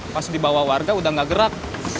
pas dibawa warga udah gak gerak